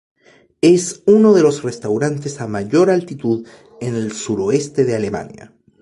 Es uno de los restaurantes a mayor altitud en el suroeste de Alemania.